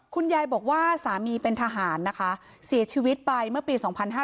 คุณยายบอกว่าสามีเป็นทหารนะคะเสียชีวิตไปเมื่อปี๒๕๕๙